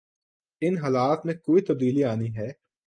ان حالات میں کوئی تبدیلی آنی ہے۔